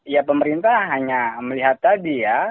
ya pemerintah hanya melihat tadi ya